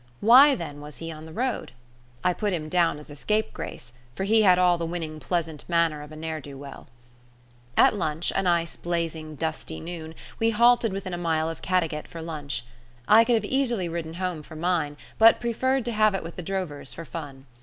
Why, then, was he on the road? I put him down as a scapegrace, for he had all the winning pleasant manner of a ne'er do well. At noon a nice, blazing, dusty noon we halted within a mile of Caddagat for lunch. I could have easily ridden home for mine, but preferred to have it with the drovers for fun.